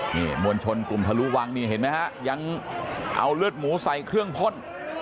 นี่มวลชนกลุ่มทะลุวังนี่เห็นไหมฮะยังเอาเลือดหมูใส่เครื่องพ่น